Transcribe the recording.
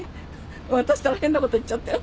私ったら変なこと言っちゃって。